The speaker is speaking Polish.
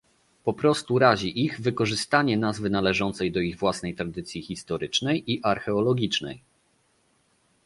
Po prostu razi ich wykorzystanie nazwy należącej do ich własnej tradycji historycznej i archeologicznej